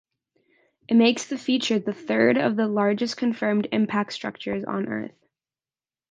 It makes the feature the third of the largest confirmed impact structures on Earth.